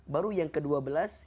baru yang kedua belas